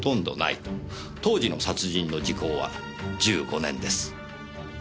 当時の殺人の時効は１５年です。